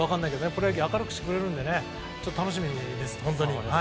プロ野球を明るくしてくれますので楽しみです、本当に。